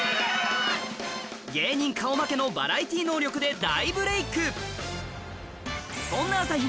芸人顔負けのバラエティー能力で大ブレーク